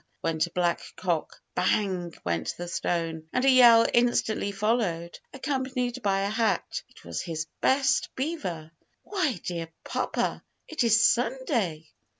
went a black cock; bang! went the stone, and a yell instantly followed, accompanied by a hat it was his best beaver! "Why, dear papa, it is Sunday!"